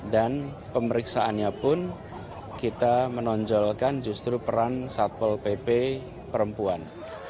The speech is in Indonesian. dan pemeriksaannya pun kita menonjolkan justru peran satpol pp perempuan